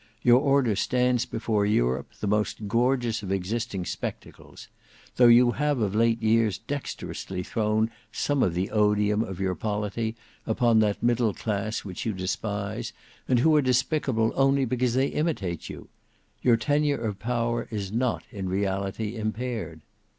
Your order stands before Europe the most gorgeous of existing spectacles; though you have of late years dexterously thrown some of the odium of your polity upon that middle class which you despise, and who are despicable only because they imitate you, your tenure of power is not in reality impaired.